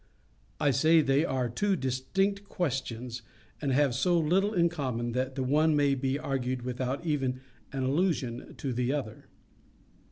I say they are two distinct questions, and have so little in common that the one may be argued without even an allusion to the other.